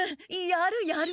やるやる。